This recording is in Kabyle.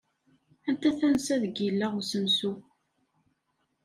Anta tansa deg illa usensu?